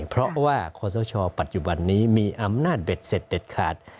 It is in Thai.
เพราะว่าขอสชปัจจุบันนี้มีอำนาจเบ็ดเสร็จเด็ดขาด